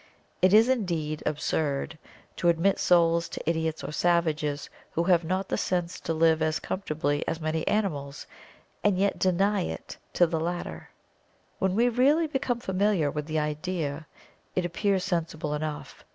It is, indeed, absurd to admit souls to idiots or savages, who have not the sense to live as comfortably as many animals, and yet deny it to the latter. When we really become familiar with the idea, it appears sensible enough.